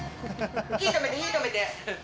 火止めて、火止めて。